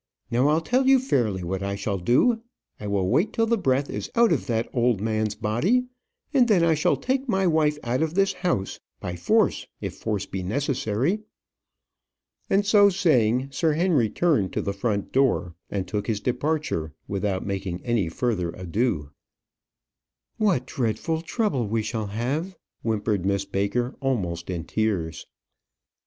Now, I'll tell you fairly what I shall do. I will wait till the breath is out of that old man's body, and then I shall take my wife out of this house by force, if force be necessary." And so saying, Sir Henry turned to the front door, and took his departure, without making any further adieu. "What dreadful trouble we shall have!" whimpered Miss Baker, almost in tears.